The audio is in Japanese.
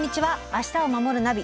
「明日をまもるナビ」